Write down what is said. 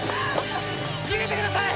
逃げてください！